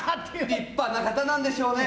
立派な方なんでしょうね。